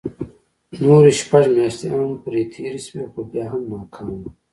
نورې شپږ مياشتې هم پرې تېرې شوې خو بيا هم ناکام وو.